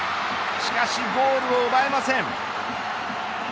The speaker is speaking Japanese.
しかしゴールを奪えません。